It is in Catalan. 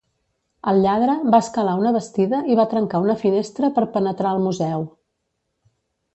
El lladre va escalar una bastida i va trencar una finestra per penetrar al museu.